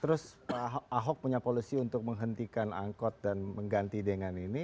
terus pak ahok punya policy untuk menghentikan angkot dan mengganti dengan ini